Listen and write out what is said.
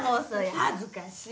恥ずかしい。